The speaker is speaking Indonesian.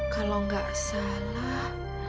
kalau nggak salah